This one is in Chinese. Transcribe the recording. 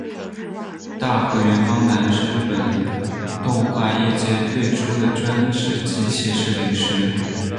大河原邦男是日本动画业界最初的专职机械设定师。